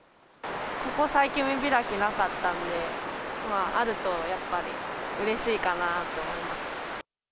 ここ最近、海開きなかったんで、あるとやっぱりうれしいかなと思います。